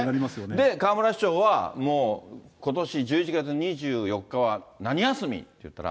で、河村市長は、もうことし１１月２４日は何休み？っていったら。